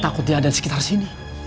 saya takut dia ada di sekitar sini